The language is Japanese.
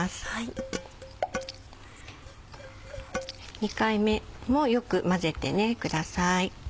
２回目もよく混ぜてください。